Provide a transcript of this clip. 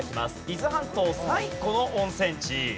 伊豆半島最古の温泉地。